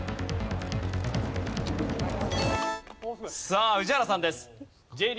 さあ宇治原さんです。